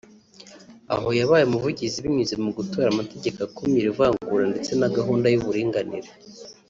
aho yabaye umuvugizi binyuze mu gutora amategeko akumira ivangura ndetse na gahunda y’uburinganire